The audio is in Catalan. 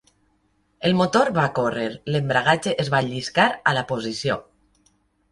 El motor va córrer; l'embragatge es va lliscar a la posició.